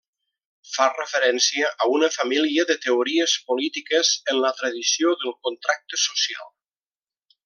Fa referència a una família de teories polítiques en la tradició del contracte social.